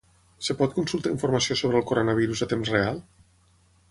Es pot consultar informació sobre el Coronavirus a temps real?